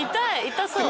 痛そう。